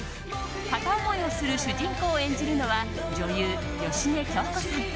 片思いをする主人公を演じるのは女優・芳根京子さん。